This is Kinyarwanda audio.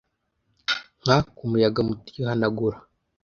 nka kumuyaga muto uyihanagura